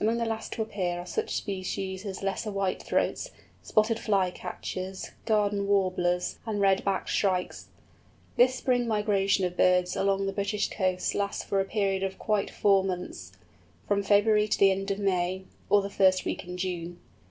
Among the last to appear are such species as Lesser Whitethroats, Spotted Fly Catchers, Garden Warblers, and Red backed Shrikes. This spring migration of birds along the British coasts lasts for a period of quite four months—from February to the end of May, or the first week in June.